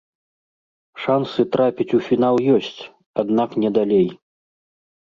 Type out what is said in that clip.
Шансы трапіць у фінал ёсць, аднак не далей.